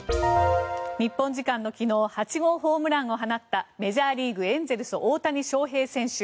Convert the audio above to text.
日本時間の昨日８号ホームランを放ったメジャーリーグ、エンゼルス大谷翔平選手。